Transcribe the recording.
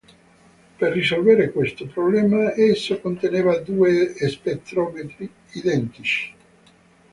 Per risolvere questo problema, esso conteneva due spettrometri identici.